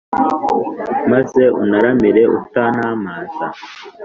maze untaramire utantamaza?